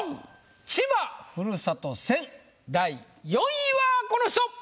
千葉ふるさと戦第４位はこの人！